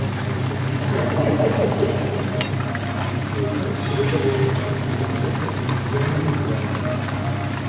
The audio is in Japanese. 各仕事で各いろんなミスがあるから。